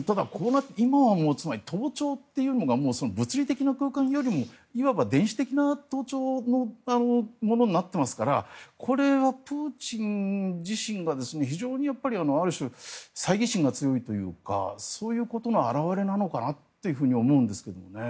今は盗聴というのがもう物理的な空間よりもいわば電子的な盗聴のものになっていますからこれはプーチン自身が非常にある種さいぎ心が強いというかそういうことの表れだと思うんですけどね。